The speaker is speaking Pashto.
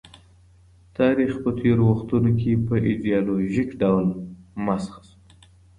تاریخ په تېرو وختونو کي په ایډیالوژیک ډول مسخ سو.